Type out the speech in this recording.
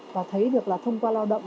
và thấy được là thông qua lao động